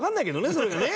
それもね。